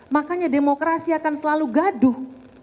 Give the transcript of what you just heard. makanya demokrasi akan selalu gaduh